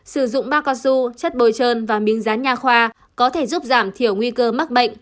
sử dụng bao co su chất bồi trơn và miếng rán nhà khoa có thể giúp giảm thiểu nguy cơ mắc bệnh